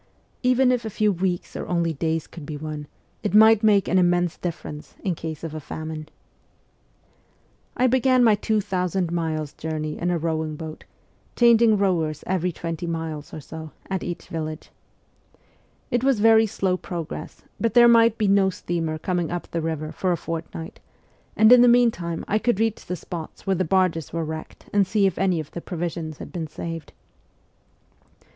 Even if a few weeks or only days could be won, it might make an immense difference in case of a famine. I began my two thousand miles' journey in a rowing boat, changing rowers each twenty miles or so, at each village. It was very slow progress, but there might be no steamer coming up the river for a fort night, and in the meantime I could reach the spots where the barges were wrecked and see if any of the provisions had been saved.